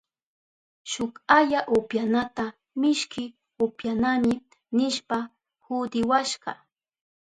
Shuk aya upyanata mishki upyanami nishpa hudiwashka.